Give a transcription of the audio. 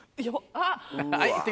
あっ。